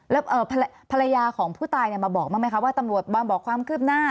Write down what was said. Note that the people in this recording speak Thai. แล้วภรรยาของผู้ตายมาบอกบ้างไหมคะว่าตำรวจมาบอกความคืบหน้า